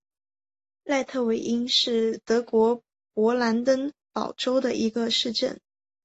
赖特韦因是德国勃兰登堡州的一个市镇。